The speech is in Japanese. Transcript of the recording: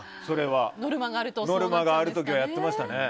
ノルマがある時はやっていましたね。